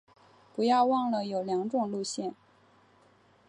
不要忘了有两种路线